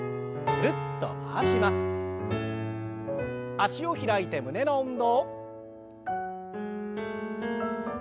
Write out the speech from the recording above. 脚を開いて胸の運動。